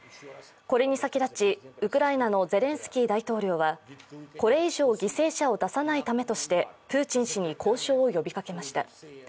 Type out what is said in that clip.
これに先立ちウクライナのゼレンスキー大統領はこれ以上犠牲者を出さないためとしてプーチン氏に交渉を呼びかけました。